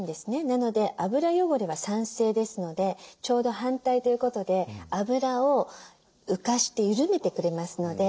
なので油汚れは酸性ですのでちょうど反対ということで油を浮かして緩めてくれますので取れやすいんです油汚れが。